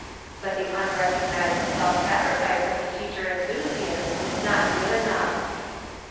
But the unrecognised half sacrifice of the teacher enthusiast is not good enough.